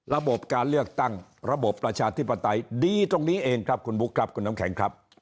ระบบการเลือกตั้งระบบประชาธิปไตยดีตรงนี้เองครับ